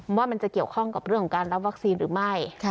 ว่ามันจะเกี่ยวข้องกับเรื่องของการรับวัคซีนหรือไม่